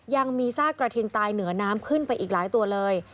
ยังมีซากกระทิงตายเหนือน้ำขึ้นไปอีกหลายตัวเลย